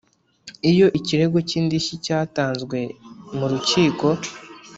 Iyo ikirego cy indishyi cyatanzwe mu rukiko